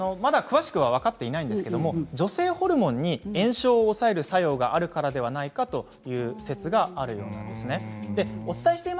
詳しくは分かっていないんですが、女性ホルモンに炎症を抑える作用があるからではないかという説があるようです。